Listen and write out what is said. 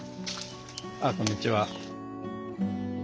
あこんにちは。